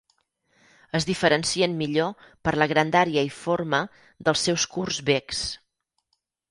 Es diferencien millor per la grandària i forma dels seus curts becs.